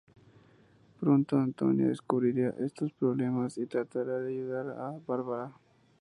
Pronto Antonia descubrirá estos problemas y tratará de ayudar a Bárbara.